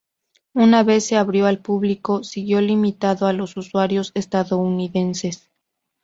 Una vez se abrió al público, siguió limitado a los usuarios estadounidenses.